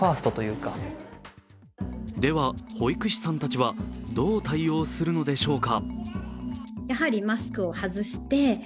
では、保育士さんたちはどう対応するのでしょうか。